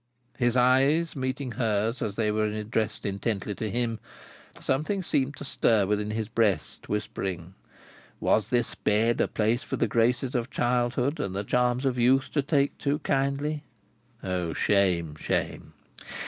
His eyes meeting hers as they were addressed intently to him, something seemed to stir within his breast, whispering: "Was this bed a place for the graces of childhood and the charms of youth to take to, kindly? O shame, shame!"